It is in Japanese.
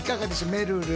めるる。